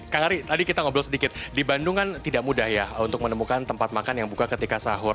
kak ari tadi kita ngobrol sedikit di bandung kan tidak mudah ya untuk menemukan tempat makan yang buka ketika sahur